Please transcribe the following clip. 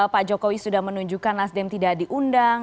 pak jokowi sudah menunjukkan nasdem tidak diundang